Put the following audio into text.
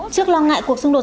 trước lo ngại cuộc sống của mỹ